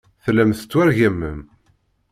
Tellam tettwargamem.